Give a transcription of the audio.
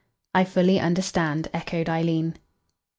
"I fully understand," echoed Eileen.